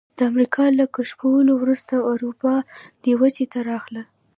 د امریکا له کشفولو وروسته اروپایان دې وچې ته راغلل.